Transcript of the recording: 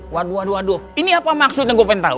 waduh waduh ini apa maksudnya gue pengen tau